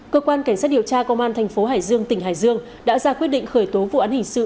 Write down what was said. cơ quan cảnh sát điều tra công an thành phố hải dương tỉnh hải dương đã ra quyết định khởi tố vụ án hình sự